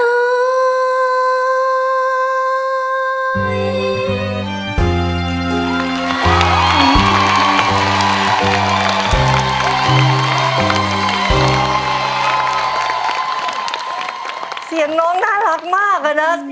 เสียงน้องน่ารักมากอะนะ